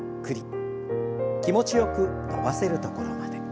気持ちよく伸ばせるところまで。